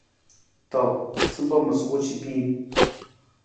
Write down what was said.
To, sampa ma suku capiin.